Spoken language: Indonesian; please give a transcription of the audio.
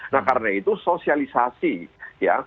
nah karena itu sosialisasi ya